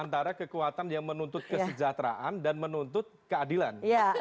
antara kekuatan yang menuntut kesejahteraan dan menuntut keadilan